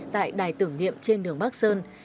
tại đài tưởng niệm trên đường bắc sơn